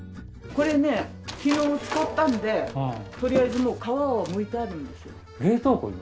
これね昨日使ったんでとりあえずもう皮をむいてあるんですよ。冷凍庫？